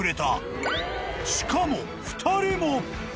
［しかも２人も！］